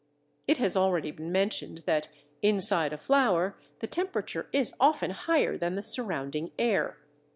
It has already been mentioned that, inside a flower, the temperature is often higher than the surrounding air.